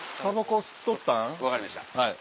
分かりましたはい。